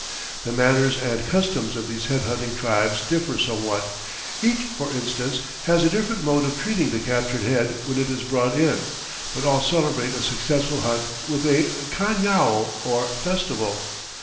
The manners and customs of these head hunting tribes differ somewhat. Each one, for instance, has a different mode of treating the captured head when it is brought in, but all celebrate a successful hunt with a cañao, or festival.